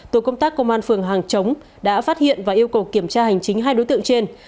tổ công tác công an phường hàng chống đã phát hiện và yêu cầu kiểm tra hành chính hai đối tượng trên